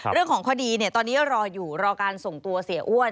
เรื่องของคดีตอนนี้รออยู่รอการส่งตัวเสียอ้วน